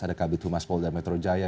ada kabupaten tumaspol dan metro jaya